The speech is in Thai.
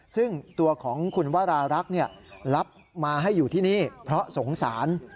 ซึ่งตัวของคุณวรารักษ์รับมาให้อยู่ที่นี่เพราะสงสาร